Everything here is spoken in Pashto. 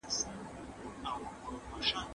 له هر څـــه مې لاس اخیستی دي صـــــنمه